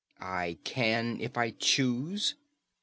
"I can if I choose."